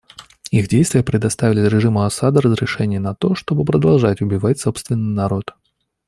Их действия предоставили режиму Асада разрешение на то, чтобы продолжать убивать собственный народ.